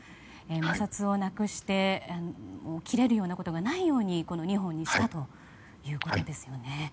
摩擦をなくして切れるようなことがないように２本にしたということですね。